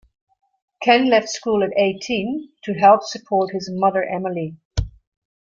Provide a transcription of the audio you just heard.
Ken left school at eighteen to help support his mother Emily.